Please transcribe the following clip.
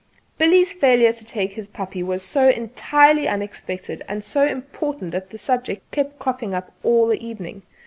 Billy's failure to take his puppy was so entirely unexpected and so important that the subject kept cropping up all the evening.